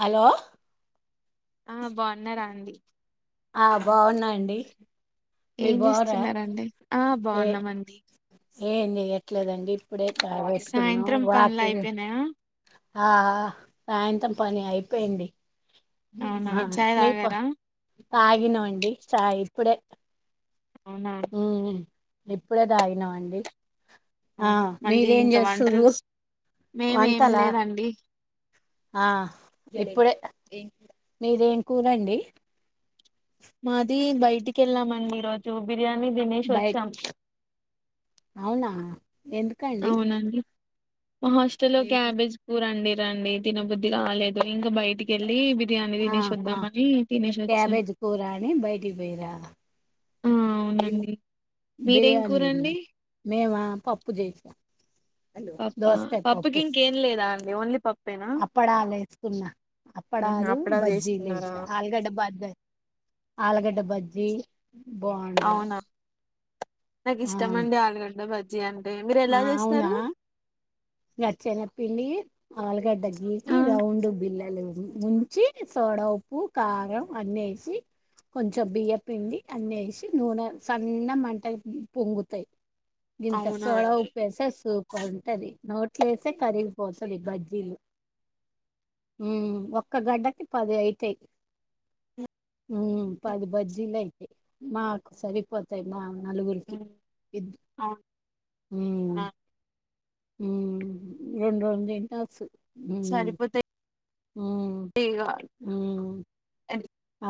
Hello. ఆ బాగున్నారా అండి ఆ బాగున్నామండి ఏం చేస్తున్నరండి ఆ ఏ బాగున్నామండి ఏం చేయట్లేదండి ఇప్పుడే చాయ్ సాయంత్రం పనులు పెట్టుకున్నావాకింగ్ అయిపోయినాయా ఆ సాయంత్రం పని అయిపోయింది అవునా ఆ చాయ్ మీ తాగారా తాగినమండి చాయ్ ఇప్పుడే అవునా ఉమ్ ఇప్పుడే తాగినమండి ఆ అవును మళ్ళీ మీరేం ఇంకా వంటలు చేస్తురు మేము ఏం వంటలా లేదండి ఆ ఇప్పుడే మీదెం కూరండి మాది బయటికి వెళ్ళామండి ఈరోజు బిర్యానీ తినేషి బయట వచ్చాం అవునా ఎందుకండి అవునండి హాస్టల్లో క్యాబేజ్ కూరవండిరండి తినబుద్ధి కాలేదు ఇంకా బయటికెళ్ళి ఆహా క్యాబేజ్ కూరని బైటికి పోయిరా ఆ ఏమి అవునండి మీరేం బిర్యానీ లేండి కూరండి మేమ పప్పు చేసిన హలో పప్పా దోస్కయ పప్పుకి పప్పు ఇంకేం లేదా అండి ఓన్లీ పప్పేనా అప్పాడలే తిన ఉహు అప్పడాలు బజ్జీ చేస్తున్నారా వేసా ఆలుగడ్డ బజ్జ ఆలుగడ్డ బ జ్జిలు బోం అవునా నాకు ఇష్టమండి ఆలుగడ్డ బజ్జి అంటే మీరు ఎలా ఆ అవునా చేస్తారు ఇగా చనగపిండి ఆలు ఆలుగడ్డ గీకి ఆ రౌండు బిల్ల ముంచి సోడ ఉప్పు కారం అన్నిఏసి కొంచెం బియ్య పిండి అన్ని వేసి నూనె సన్న మంటకు పొంగుతయి గింత అవునా సోడ అండి ఉప్పేస్తే సూపరు ఉంటది నోటి నోట్లేస్తే కరిగిపోతది ఇ బజ్లీలు ఉమ్ ఒక్క గడ్డకి పది అయితయి ఉమ్ పది బజ్జీలు అయితయి మాకు సరిపోతయి మా నలుగురికి ఇద్ అవునా ఉమ్ ఉమ్ రెండు రెండు తింటవచ్చు సరిపోతయి ఉమ్ ఉమ్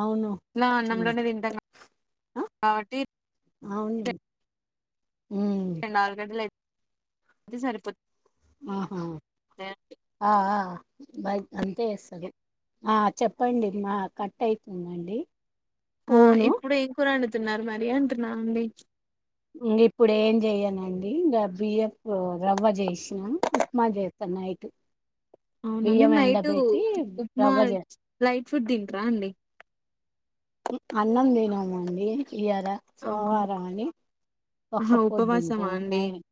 అవును ఎట్ల ఉమ్ అన్నంలోనే తింటం కా ఆ కావట్టి అవును ఉమ్ రెండు ఆలుగడ్డలయిత్ సరిపోతది ఆహ ఆ ఆ బ అంతే వేస్తారు ఆ చెప్పండి మా కట్ అయితుందండి ఆ ఫోను ఇప్పుడు ఏం కూర అండుతున్నారు మరి అంటున్న అండి ఇంగ ఇప్పుడు ఏం చెయనండి ఇంగ బియ్యపు రవ్వ చేసినా ఉప్మా చేస్తా నయిటు అవున మేం నైట్ ఉప్మా రవ్వ చేస్ లైట్ ఫుడ్ తింట్రా అండి అన్నం తిన్నామ అండి ఇయాల అవునా సోమవారం అని ఒక్క ఆహా ఉపవాసమా పొద్దుంటము అండి నైట్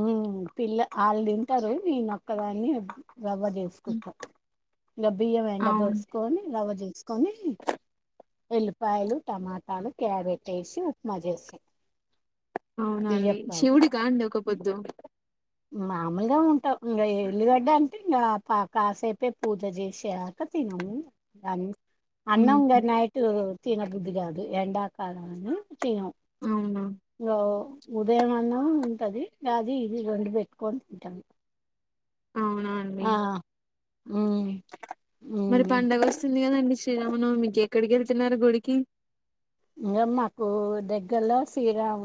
ఉమ్ పిల్ల ఆళ్ళు తింటరు నేనొక్కదాన్ని రవ్వ చేసుకుంట ఇగ బియ్యం ఎండ అవును పోసుకొని రవ్వ చేసుకొని ఎల్లిపాయలు టమాటాలు క్యారెటేసి ఉప్మా చేసా అవునండి శివుడికాండి ఒక పొద్దు మామూల్గా ఉంట ఇంగా ఎల్లిగడ్డ అంటే ఇంగా పా కాసేపే పూజ చేసాక తిన్ అవును దాని అన్నం గా నైటు తినబుద్ధి గాదు ఎండాకాలమని చ్యం అవునా ఇంగో ఉదయమన్న ఉంటది అది ఇది రెండు బెట్టుకొని తింటాము అవునండి ఉమ్ మరి ఉమ్ పండగస్తుంది కదండి శ్రీరామనవమికి ఎక్కడికెళ్తున్నారు గుడికి ఇగా మాకు దగ్గర్లో శ్రీరాం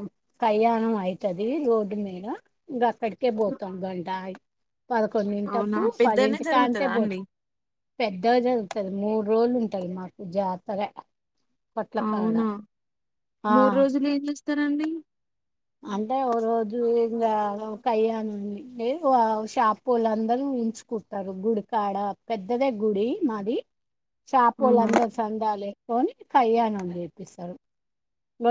కళ్యాణమైతది రోడ్డు మీద ఇంగ అక్కడికే బోతాం గంటగీ అవునా పదకొండింటప్పు పెద్దనే పదింటికాంటే జరుగుతదా బో అండి పెద్దగా జరుగుతది మూర్రోజులు ఉంటది మాకు జాతర కొట్ అవునా మూర్రోజులేం జేస్తరండి అంటే ఓ రోజు ఇంగా కయాణ షాపులందరూ హించుకుంటరు గుడికాడ పెద్దదే గుడి మాది అవునా చాపొళ్ళందరూ చందలే ఏసుకుని కళ్యాణం జేపిస్తరు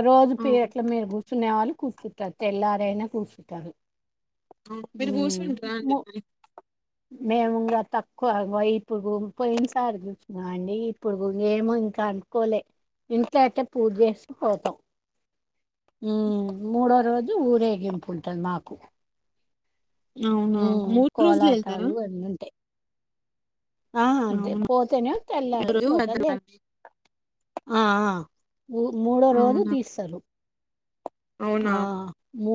రోజు పీటల అవునా మీద గూర్చునేవాళ్ళు కూర్చుంటరు తెల్లారైనా కూర్చుంటరు హ మీరు కూర్చుంటారా అండి మ్ మరి మేమింగా తక్కువ ఇపుడు పోయిన్సారి కూర్చున్నామండి ఇప్పుడు ఇంగేమో ఇంకా అనుకోలే ఇంట్ల అయితే పూజేస్కాపోతాం మ్మ్ మూడో రోజు ఊరేగింపు ఉంటంది మాకు అవునా మ్ మూర్ రోజులు వెళ్తారా కోలాటాలు అన్నీ ఉంటయి. ఆ అదే అవునా పోతేనే ఒక తెల్లరే రోజు పోతరు లేద్ పెద్దలండి. ఆ ఆ మూడ్ మూడో రోజు అవునా దీస్తరు అవునా, ఆ మూ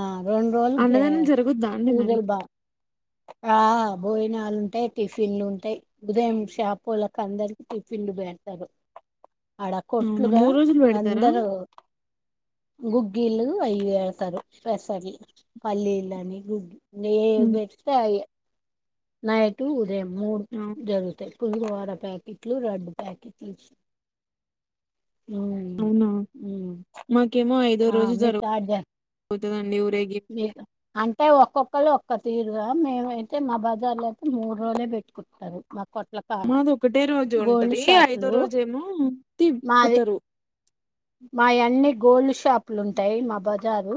ఆ రొండ్రోజులు అన్నదానం గ్యాప్ జరుగుద్దా అండి మరి పూజలు బా ఆ బోయినాలుంటాయి టిఫిన్లు ఉంటయి ఉదయం షాపొల్లక్ అందరికీ టిఫిన్లు బెడ్తరు అడ అవునా కొట్లుగా మూడు రోజులు పెడతారా అందరూ గుగ్గిల్లు, అయ్యేస్తరు పెసర్లు, పల్లీలని, గుగ్గి నే ఉమ్. బెట్తే అయే నైటూ మూడు అవు- జరుగుతయ్ కుద్వార ప్యాకెట్ ట్లు రెడ్ ప్యాకెట్లు చూ అవునా మాక్ మాకేమో ఐదో ఆ రోజు మీ కాడ జ జరుగుతుంది అండి ఊరేగింపు ఒక్కొక్కొల్లు ఒక్కో తీరుగా మేమైతే మా బజార్ల అయితే మూర్రోలే బెట్టుకుట్నారు మాక్ మాది ఒకటే రోజు ఉంటది ఐదో షాపులు రోజేమో తిప్పుతరు మాయన్ని గోల్డ్ షాపులుంటాయి మా బజారు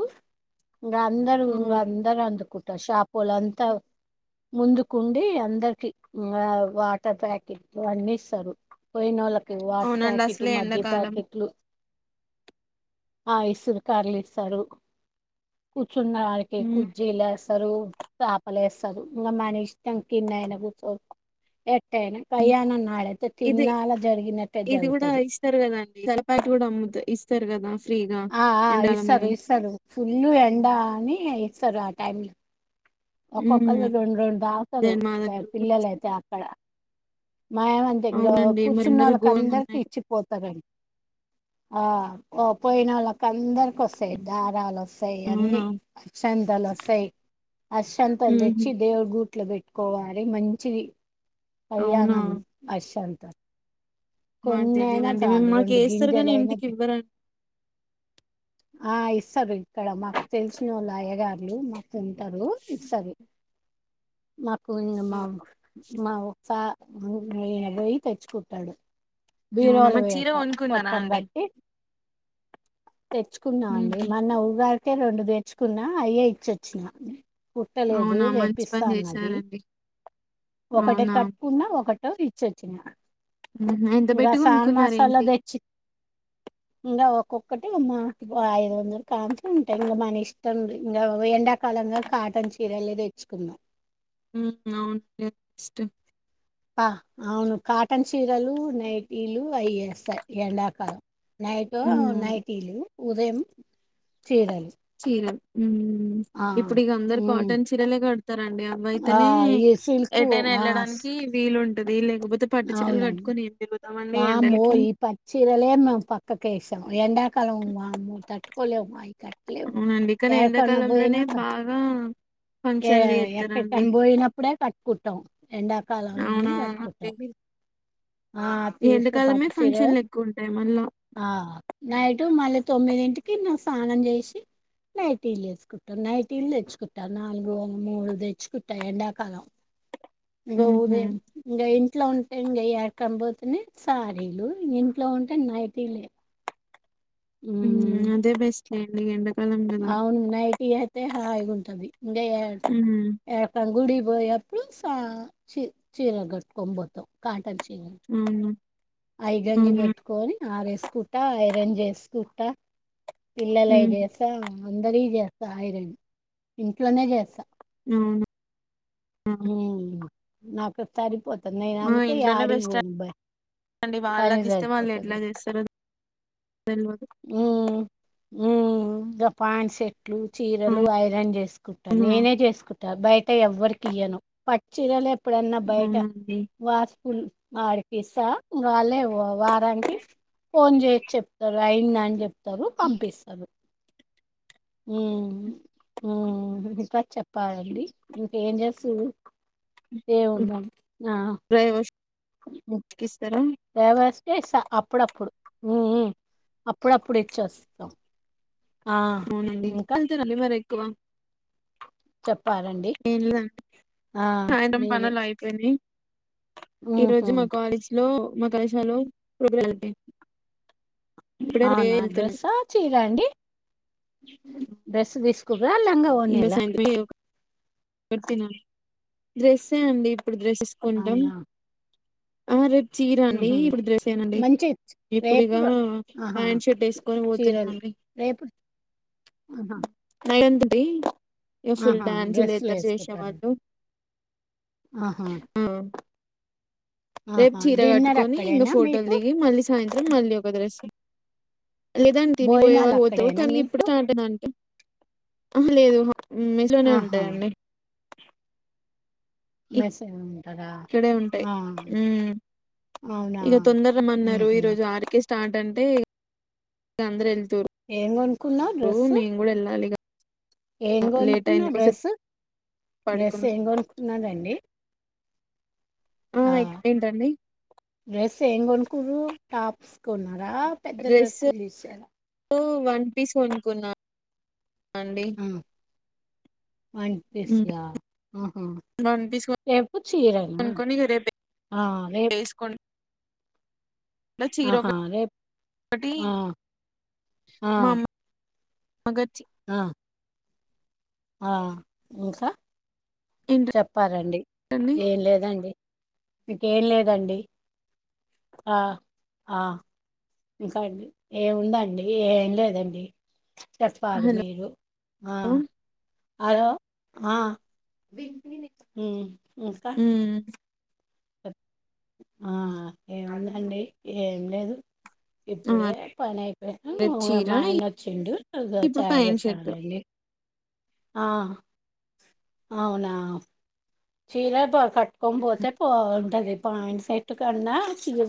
ఇంగా అందరు ఇంగా ఉమ్, అందరు అందుకుంటారు షాపొల్లంతా ముందుకుండి అందరికి ఆ వాటర్ ప్యాకెట్లు అన్నీస్తారు పోయినోళ్ళకి వాటర్ అవునండి ప్యాకెట్, అసలే మజ్జిగ్ ఎండాకాలం ప్యాకెట్లు ఆ ఇసుర్ కర్లిస్తారు కూచ్చుండానికి ఉమ్, కుర్చీలేస్త్ స్తరు చాపలేస్తారు ఇంగా మనిష్టం కిన్నయన కూర్చో టైనా కళ్యాణం నాడైతే ఇది తిన్నాల జరిగినట్టే ఇది జరుగుతది త్ ఇస్తర్ గదా ఆ ఆ ఇస్తరు ఇస్తరు ఫుల్లు ఎండాని ఇస్తరు ఆ టైమ్ ఒక్కొక్కల్లు రెండ్రోండ్ దాగుతరు లేదండి మా దగ్గర కూడా. పిల్లలైతే అక్కడ మాయమంత ఇంకా అవునండి మరి కూర్చున్న ఎండలు వాళ్ళకి ఘోరంగా అందరికి ఉన్నాయి ఇచ్చిపోతారండి ఆ పో పోయినోళ్లకి అందరికి వస్తాయి దారలో వస్తాయి అన్నీ అవునా అక్షంతలు వస్తాయి. అక్షంతలు ఉహు తెచ్చి దేవుడి గు ట్లు పెట్టుకోవాలి మంచిది అవునా కళ్యాణం అక్షంత మాకు కొన్ని అయినా తెలీదండి మేము చాలు మాకు రెండు వేస్తారు కాని గింజలయినా ఇంటికి ఇవ్వరండి ఆ ఇ ఇస్తరు ఇక్కడ మాకు తెలిసినొళ్లు అయ్యగార్లు మాకు ఉంటరు ఇస్తరు మాకు ఇంగ మా మా ఒక్క వు ఐనపోయి తెచ్చుకుంటడు అవునా బీరువాలొ మరి చీర పెడ్త కొనుక్కున్నారా పొట్టం అండి కట్టి తెచ్చుకున్నా అండి. ఉహు, మన్న ఉగాదికే రెండు తెచ్చుకున్నా అయ్యే ఇచ్చొచ్చినా కుట్టలేదు అవునా మంచి వేపిస్త పని అన్నది. చేసారండి ఒకటి అవునా కట్టుకున్న ఒకటోది ఇచ్చొచ్చిన ఉహు, ఎంత ఇక పెట్టి సాణ మాసాలా కొనుక్కున్నారేంటి తెచ్చి ఇంకా ఒక్కొక్కటి మా ఐదు వందలు కాస్ ఉంటాయి ఇంకా మన ఇష్టం ఇంకా ఎండాక్క కలంగా కాటన్ చీరల్ని తెచ్చుకున్నం ఉమ్ అవును ఇష్టం ఆ అవును కాటన్ చీరలు నైటీలు అయ్యేస్తా ఈ ఎండాకాలం నైటో నైటీలు ఉదయం చీరలు ఉమ్ ఆ ఇప్పుడు ఇక అందరు ఉమ్ కాటన్ చీరలే కడతారండి. ఆ అవ్వైతనే ఈ సిల్క్ ఎటైనా ఆ వెళ్ళడాని స్ కీ వీలున్ అవునండి తిరుగుతామండి వామ్మో ఎండలకి ఈ పచ్చీరలే మేము పక్కకు వేస్ ఎండాకాలం వామ్మో తట్టుకోలేము అయి కడి లేవు అవునండి కానీ ఎడికన్నా ఎండాకాలంలోనే పొయినాసా బాగా ఏ ఫంక్షన్లు చేస్తారండి ఎక్కడెక్కని పోయినప్పుడే కట్టుకుంటం ఎండాకాలాన్నే కట్టుకుంటాం. అ అవునవునండి మీ ఆ ఈ తీసుకొ ఎండాకాలమే పట్టు ఛీర ఫంక్షన్లు ఎక్కువ ఉంటాయి మళ్ళా ఆ నైట్ మళ్ళీ తొమ్మిదింటికి స్నానం చేసి నైటీల్ వేసుకుంటం. నైటీల్ తెచ్చుకుంటం. నాలుగు మూడు తెచ్చుకుంట ఎండాకాలం ఇంగో మ్మ్ ఉదయం ఇంగ ఇన్ ఇంట్లో ఉంటే ఇంకా యాడికన్నా పోతేనె సారీలు ఇంట్లో ఉంటే నైటీలే మ్మ్ ఉమ్ అదే బెస్ట్ లేండి. ఎండ అవును నైటి అయితే హాయిగుంటది ఇంక మ్మ్ ఏ అం గుడి యప్పి సా చి చీర కట్టుకొని పోతం కాటన్ ఊమ్ ఐగంజి పెట్టుకోని ఆరేసుకుంట ఐరన్ చేసుకుంట పిల్లలై మ్మ్ జేస్తా అందరియి చేస్తా ఐరన్ ఇంట్లోనే చేస్తా అవును ఊమ్ నాకస్తారి పో ఆ ఇంట్లోనే బెస్ట్ అం పనే వాళ్ళకిస్తె వాళ్ళు ఎట్ల సరిపోతది చేస్తరు తెల్వదు ఉమ్ గా పాంట్ సెట్లు చీరలు ఐరన్ చేసుకుంటా అవునా నేనే చేసుకుంట బయట ఎవ్వరికి ఇయ్యను. పట్ చీరలు ఎప్పుడన్నా బయట అవునండి వాసుపులు వాడికిస్తా వాళ్ళే వ వారానికి ఫోన్ చేసి చెప్తరు అయింద అని చెప్తరు పంపిస్తరు ఉమ్ ఉమ్. ఇంకా చెప్పాలండి ఇంకేంచేస్తుంర్రు. ఏం ఉందండి ఆహ్. కిస్తం. లేవస్తే ఇస్తా అప్పుడప్పుడు మ్ మ్ అప్పుడప్పుడు ఇచ్చోస్తా అవునండి ఎటెల్తారండి మరీ ఎక్కువ చెప్పారండి ఏం లేదండి ఆ సాయంత్రం మీదే పనులు అయిపోయినాయి ఈ రోజు మా కాలేజ్ లో మా కళాశాలో ప్రోగ అవునా వెళ్తున్నాం డ్రెస్ ఆ చీరా అండి డ్రెస్ తీసుకు. డ్రా ఇంకా లంగాఓనిలా. సాయంత్రం ఏదో డ్రెస్సే అండి ఇప్పుడు డ్రెస్సెస్ కొంటాం. అవునా ఆహ్ మరి. చీర అండి ఉహు ఇప్పుడు డ్రెస్సెనండీ మంచి ఇప్పుడిక రేపు ర ఆహా ప్యాంట్ షర్ట్ వేసుకొని చీరలు పోతున్నాండి. రేపు. ఆహా నైత్ డే ఇగ ఫుల్ ఆహా డాన్సులు డ్రెస్సులు ఎత్తారు వేసుకుంటారు చేసేవాళ్ళు. ఆహా ఆహ్. రేపు ఆహా చీర డిన్నర్ కట్టుకొని ఇంగా అక్కడేనా ఫోటోలు మీకు దిగి మళ్ళీ సాయంత్రం మళ్ళీ ఒక డ్రెస్. లేదు అండి తిని భోజనాలు పోయేవాళ్ళు పోతారు అక్కడేనా కానీ ఇప్పుడు మీకు స్టార్ట్ ఐన అంటే ఆహ లేదు. ఉమ్ మేస్లోనే ఆహా ఉంటాయండి. మెస్ లోనే. ఇక్కడే ఉంటాయి ఉమ్ అవునా ఇగ తొందరమ్మన్నారు ఉహు ఈరోజు వరుకే. స్టార్ట్ అంటే అందరు ఏం కొనుక్కున్నావు ఎళ్తరు నేను కూడా వెళ్ళాలిగ. ఏంకోనుకున్నవ్ డ్రెస్. డ్రెస్ పడుకున్నా ఏంకోనుకున్నారండి. ఆహ్ ఏ ఏంటండి. సే ఏం కొనుకుంరు టాప్స్ కొన్నారా పెద్ద డ్రెస్సులు తీసారా. ఉ వన్ పీస్ కొనుకున్నా. అండి. ఆ! వన్ పీస్ల హ్మ్. ఆహా. వన్ పీస్ రేపు చీరనా కొనుక్కొని ఇగ రేపు ఆహ్ రేప్. వేసుకుంటా చీర ఆహా రెప్ ఒకటి ఆహ్ ఆహ్. మగార్చి. ఆహ్ ఇంకా. చెప్పాలండి ఏంటండి ఏం లేదండి. మీకేం లేదండి ఆహ్ ఆహ్. ఇంకాండి ఏముందండి ఏం లేదండి. చెప్పాలి హలో మీరు ఆహ్. ఉమ్ హలో ఆహ్ ఉమ్ ఇంకా. ఆహ్ ఏముందండి ఏం లేదు. ఆ ఇప్పుడే పని అయిపోయింది రేపు చీర మా ఆయన ఓచ్చిండు ఇప్పుడు చాయ్ ప్యాంట్ షర్ట్ పెట్టాలండి. ఆహ్ అవునా చీర ధోర్కట్. కొంగోసై బాగుంటది పాయింట్ సెట్టు కన్నా చీర.